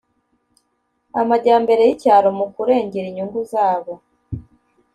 amajyambere y icyaro mu kurengera inyungu zabo